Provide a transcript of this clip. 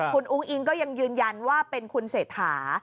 คุณอุ้งอิงก็ยังยืนยันว่าเป็นคุณเศรษฐา